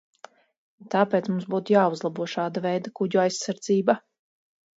Tāpēc mums būtu jāuzlabo šāda veida kuģu aizsardzība.